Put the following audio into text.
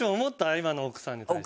今の奥さんに対して。